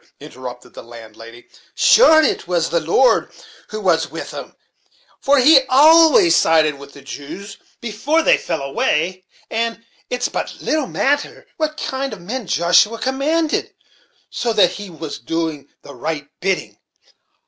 interrupted the landlady; "sure, it was the Lord who was with 'em; for he always sided with the Jews, before they fell away; and it's but little matter what kind of men Joshua commanded, so that he was doing the right bidding.